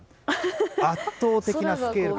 圧倒的なスケール感。